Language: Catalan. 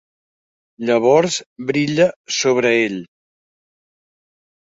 Llavors brilla sobre ell.